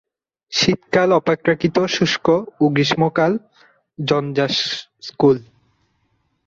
শীতকাল অপেক্ষাকৃত শুষ্ক ও গ্রীষ্মকাল ঝঞ্ঝাসঙ্কুল।